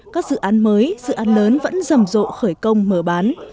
các dự án mới dự án lớn vẫn rầm rộ khởi công mở bán